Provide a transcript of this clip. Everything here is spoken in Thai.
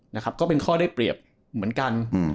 นะครับก็เป็นข้อได้เปรียบเหมือนกัน